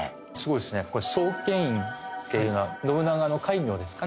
見院っていうのは信長の戒名ですかね。